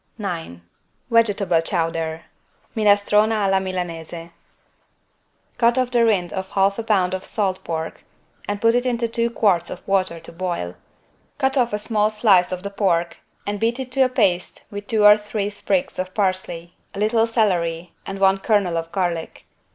9 VEGETABLE CHOWDER (Minestrone alla Milanese) Cut off the rind of 1/2 lb. salt pork and put it into two quarts of water to boil. Cut off a small slice of the pork and beat it to a paste with two or three sprigs of parsley, a little celery and one kernel of garlic.